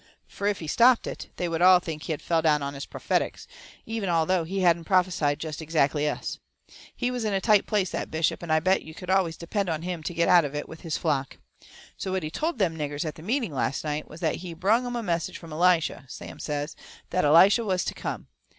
Fur, if he stopped it, they would all think he had fell down on his prophetics, even although he hadn't prophesied jest exactly us. He was in a tight place, that bishop, but I bet you could always depend on him to get out of it with his flock. So what he told them niggers at the meeting last night was that he brung 'em a message from Elishyah, Sam says, the Elishyah that was to come.